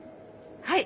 はい。